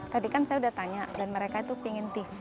tadi kan saya udah tanya dan mereka itu ingin tv